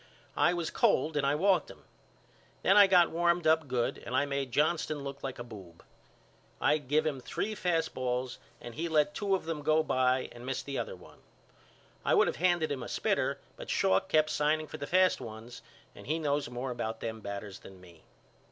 I was cold and I walked him. Then I got warmed up good and I made Johnston look like a boob. I give him three fast balls and he let two of them go by and missed the other one. I would of handed him a spitter but Schalk kept signing for fast ones and he knows more about them batters than me.